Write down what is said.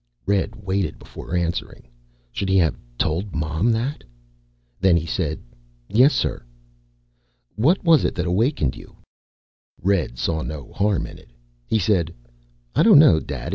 Red waited before answering. Should he have told Mom that? Then he said, "Yes, sir." "What was it that awakened you?" Red saw no harm in it. He said, "I don't know, Dad.